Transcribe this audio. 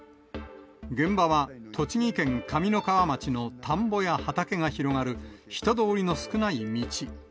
現場は栃木県上三川町の田んぼや畑が広がる、人通りの少ない道。